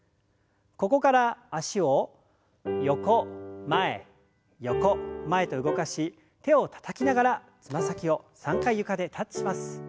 ここから脚を横前横前と動かし手をたたきながらつま先を３回床でタッチします。